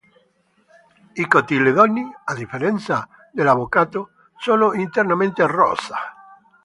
I cotiledoni, a differenza dell'avocado, sono internamente rosa.